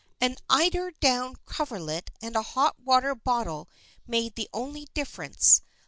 An eider down coverlet and a hot water bottle made the only difference.